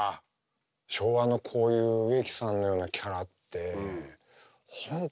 昭和のこういう植木さんのようなキャラって本当にいないし。